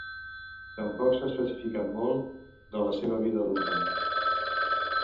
Tampoc s'ha especificat molt de la seva vida adulta.